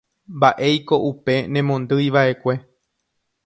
Mbaʼéiko upe nemondýivaʼekue.